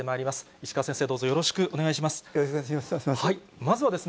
石川先生、よろしくお願いします。